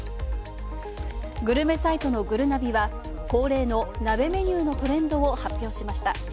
グルメサイトのぐるなびは恒例の鍋メニューのトレンドを発表しました。